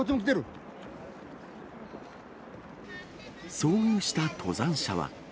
遭遇した登山者は。